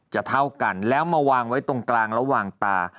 เท่ากันแล้วมาวางไว้ตรงกลางระหว่างตา